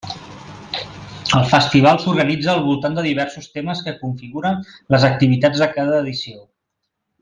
El festival s'organitza al voltant de diversos temes que configuren les activitats de cada edició.